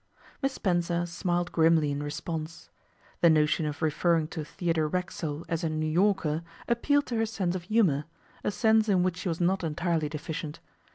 Miss Spencer smiled grimly in response. The notion of referring to Theodore Racksole as a 'New Yorker' appealed to her sense of humour, a sense in which she was not entirely deficient.